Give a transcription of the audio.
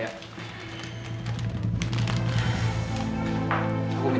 ya udah aku mau pergi